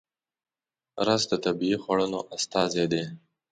رس د طبیعي خوړنو استازی دی